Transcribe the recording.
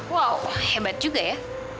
wow hebat juga ya